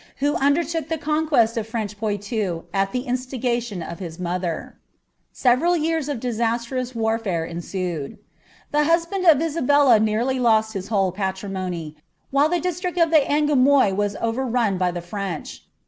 who undertook the conquest of French Poitou at ' the insiigntion of his moiher.' Several ymn of disastrous war<are ensued. The husband of Isabella nearly lost his whole patrimony, while the district of the Angoumois «« overrun by the French.'